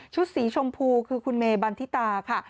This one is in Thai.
สีชมพูคือคุณเมบันทิตาค่ะ